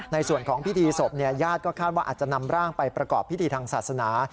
ในส่วนของพิธีศพญาติก็คาดว่าอาจจะนำร่างไปประกอบพิธีทางศาสนา